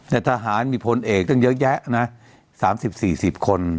แต่ทหารมีพลเอกตั้งเยอะแยะนะ๓๐๔๐คน